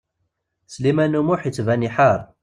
Sliman U Muḥ yettban iḥar.